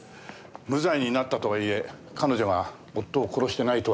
無罪になったとはいえ彼女が夫を殺していないとは限りません。